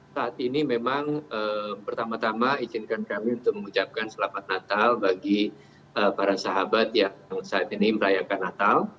saat ini memang pertama tama izinkan kami untuk mengucapkan selamat natal bagi para sahabat yang saat ini merayakan natal